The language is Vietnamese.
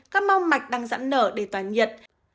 các mong mạch đang rãn nở để tỏa nhiệt